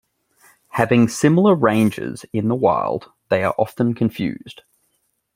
Having similar ranges in the wild, they are often confused.